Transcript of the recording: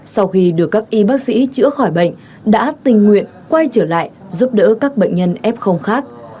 sau khi được các y bác sĩ chữa khỏi bệnh đã tình nguyện quay trở lại giúp đỡ các bệnh nhân f khác